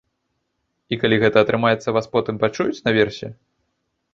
І калі гэта атрымаецца, вас потым пачуюць наверсе?